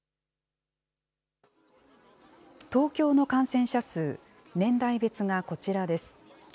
東京の感染者数、年代別がこちらです。